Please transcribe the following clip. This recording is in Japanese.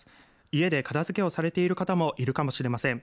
家で片づけをされている方もいるかもしれません。